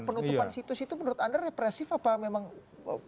penutupan situs itu menurut anda represif apa memang